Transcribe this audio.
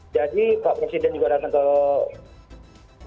jadi pak presiden juga datang ke kekowi